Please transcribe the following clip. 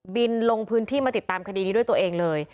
ลงพื้นที่มาติดตามคดีนี้ด้วยตัวเองเลย